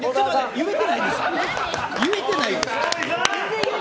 言えてないですよ。